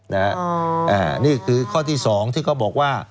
นี่คือข้อที่๒ที่เขาบอกว่า